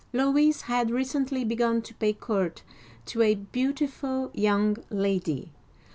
Louis had recently begun to pay court to a beautiful young lady.